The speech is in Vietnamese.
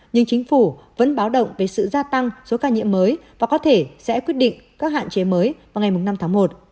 nhưng chính phủ vẫn báo động về sự gia tăng số ca nhiễm mới và có thể sẽ quyết định các hạn chế mới vào ngày năm tháng một